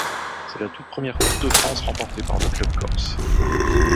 C'est la toute première Coupe de France remportée par le club corse.